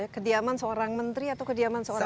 kediaman seorang menteri atau kediaman seorang